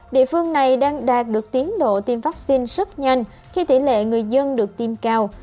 địa phương này đang đạt được tiến độ tiêm vaccine rất nhanh khi tỷ lệ người dân được tiêm cao